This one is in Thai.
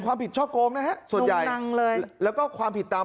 ความผิดชอบโกงนะฮะส่วนใหญ่ลงนังเลยแล้วก็ความผิดตาม